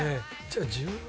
じゃあ１０。